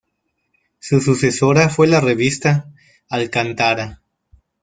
Su sucesora fue la revista "Al-Qantara".